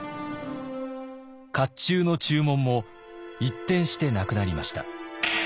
甲冑の注文も一転してなくなりました。